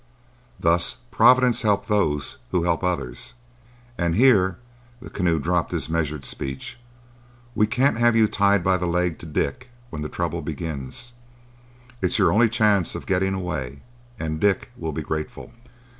Thus Providence helps those who help others, and'—here the Keneu dropped his measured speech—"we can't have you tied by the leg to Dick when the trouble begins. It's your only chance of getting away; and Dick will be grateful."